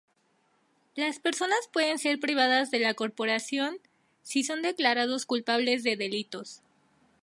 Las personas pueden ser privadas de la corporación, si son declarados culpables de delitos.